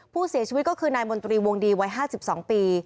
ผู้เสียชีวิตก็คือนายมนตรีวงดีวัย๕๒ปี